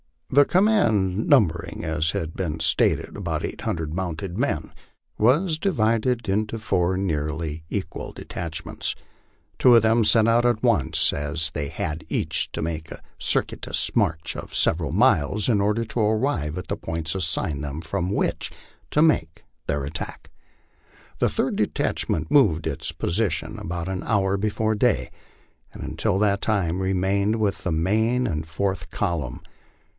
The command, numbering, as has been stated, about eight hundred mounted men, was divided into four nearly equal detachments. Two of them set out at once, as they had each to make a circuit ous march of several miles in order to arrive at the points assigned them, from which to make their attack. The third detachment moved to its position about an hour befare day, and until that time remained with the main or fourth column.